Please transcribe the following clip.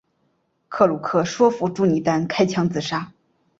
克鲁格说服朱尼尔开枪自杀。